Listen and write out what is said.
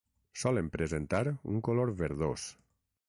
Solen presentar un color verdós.